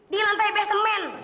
di lantai besemen